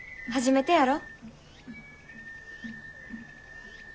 初めてやろ？